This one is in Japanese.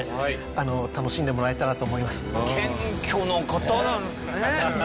謙虚な方なんすね。